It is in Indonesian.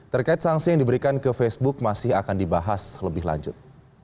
terkait sanksi yang diberikan ke facebook masih akan dibahas lebih lanjut